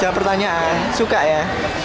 jawab pertanyaan suka ya